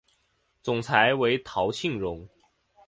总裁为陶庆荣。